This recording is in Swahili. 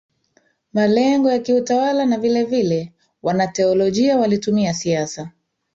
malengo ya kiutawala na vilevile wanateolojia walitumia siasa